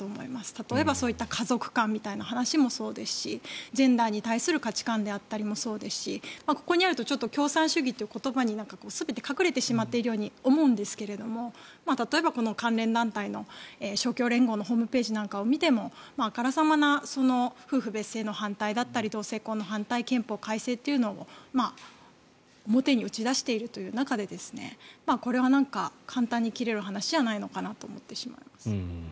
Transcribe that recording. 例えば家族観みたいな話もそうですしジェンダーに対する価値観であったりもそうですしここにあるとちょっと共産主義という言葉に全て隠れてしまっているように思うんですが例えばこの関連団体の勝共連合のホームページなんかを見てもあからさまな夫婦別姓の反対だったり同性婚の反対憲法改正というのを表に打ち出しているという中でこれは簡単に切れる話じゃないのかなと思ってしまいます。